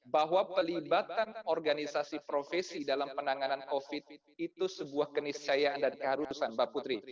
bahwa pelibatan organisasi profesi dalam penanganan covid itu sebuah keniscayaan dan keharusan mbak putri